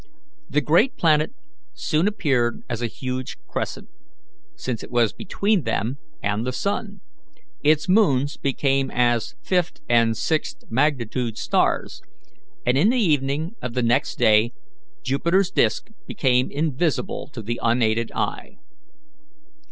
The great planet soon appeared as a huge crescent, since it was between them and the sun; its moons became as fifth and sixth magnitude stars, and in the evening of the next day Jupiter's disk became invisible to the unaided eye.